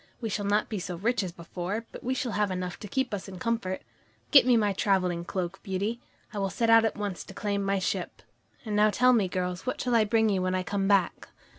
We shall not be so rich as before, but we shall have enough to keep us in comfort. Get me my traveling cloak, Beauty. I will set out at once to claim my ship. And now tell me, girls, what shall I bring you when I come back?"